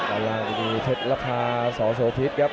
อาราณีเทศราคาสโสพิษครับ